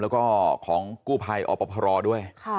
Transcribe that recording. แล้วก็ของกู้ภัยอบอบภรรอด้วย